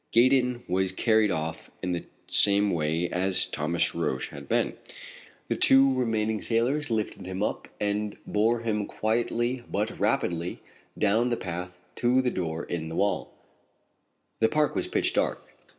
Gaydon was carried off in the same way as Thomas Roch had been. The two remaining sailors lifted him and bore him quietly but rapidly down the path to the door in the wall. The park was pitch dark.